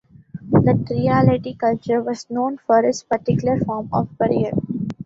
The Trialeti culture was known for its particular form of burial.